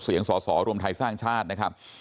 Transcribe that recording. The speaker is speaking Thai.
เสียงสอสอรวมไทยสร้างชาตินะครับ